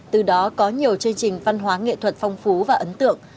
từ đó có nhiều chương trình văn hóa nghệ thuật phong phú và ấn tượng